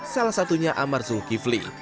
salah satunya amar sungkifli